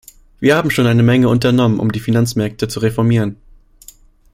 Wir haben schon eine Menge unternommen, um die Finanzmärkte zu reformieren.